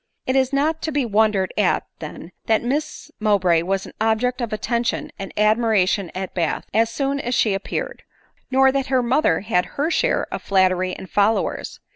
It is not to be wondered at, then, that Miss Mowbray was an object of attention and admiration at Bath, as soon as she appeared, nor that her mother had her share j)f flattery and followers.